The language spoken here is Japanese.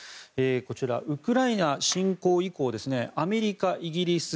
こちらウクライナ侵攻以降アメリカ、イギリス